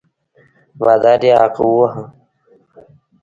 بادار یې هغه وواهه.